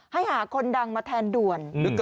ให้หาคนดังมาแทนด่วน